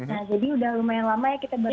nah jadi udah lumayan lama ya kita bareng bareng